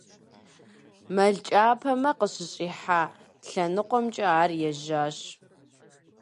Мэл кӀапэмэ къыщыщӀихьа лъэныкъуэмкӀэ ар ежьащ.